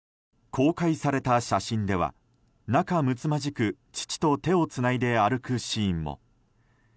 公開された写真では仲むつまじく父と手をつないで歩くシーンも。